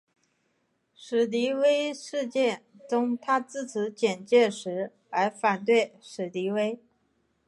史迪威事件中他支持蒋介石而反对史迪威。